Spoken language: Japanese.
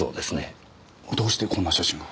どうしてこんな写真が。